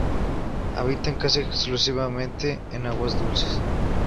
Habitan casi exclusivamente en aguas dulces.